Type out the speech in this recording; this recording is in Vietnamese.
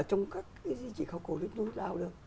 trong các cái gì chỉ khóc khổ đứt nút đau được